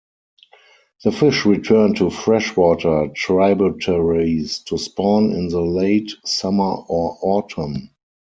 The fish return to freshwater tributaries to spawn in the late summer or autumn.